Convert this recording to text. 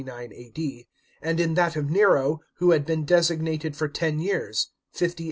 D.), and in that of Nero, who had been designated for ten years (58 A.D.).